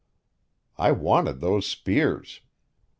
I wanted those spears.